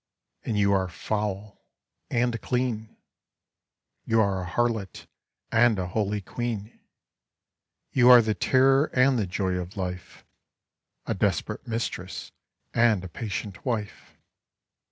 And you are foul — and clean I — You are a harlot — and a holy queen; You are the terror and the joy of life — A desperate mistress and a patient wife.